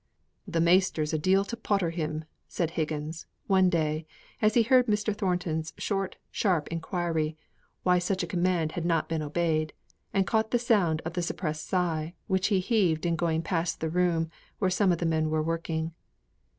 "Th' measter's a deal to potter him," said Higgins, one day, as he heard Mr. Thornton's short, sharp inquiry, why such a command had not been obeyed; and caught the sound of the suppressed sigh which he heaved in going past the room where some of the men were working.